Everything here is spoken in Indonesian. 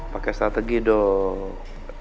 pakai strategi dong